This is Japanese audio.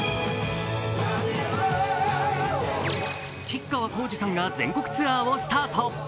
吉川晃司さんが全国ツアーをスタート。